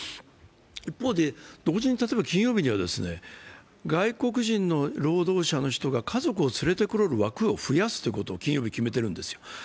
一方で、同時に金曜日には外国人の労働者の人が家族を連れてこれる枠を増やすということを決めてるんですよ。